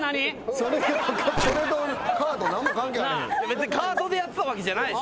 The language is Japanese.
別にカートでやってたわけじゃないでしょ。